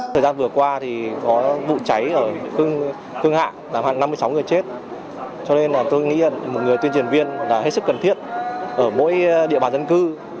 thời gian vừa qua thì có vụ cháy ở cương hạ làm hạn năm mươi sáu người chết cho nên là tôi nghĩ một người tuyên truyền viên là hết sức cần thiết ở mỗi địa bàn dân cư